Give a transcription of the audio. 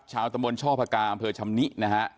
ชาวตำรวจช่อพระกาวเผลอชำนินะฮะ